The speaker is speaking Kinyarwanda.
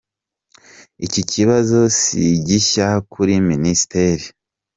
Iki kibazo si gishya kuri Minisiteri.